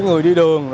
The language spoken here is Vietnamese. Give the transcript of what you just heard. người đi đường